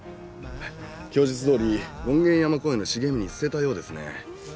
供述どおり権現山公園の茂みに捨てたようですね。